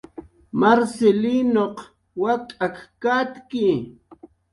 Marcilinuq wak'ak katki